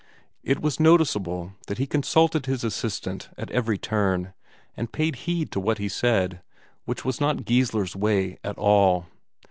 It was noticeable that he consulted his assistant at every turn, and paid heed to what he said, which was not Geissler's way at all.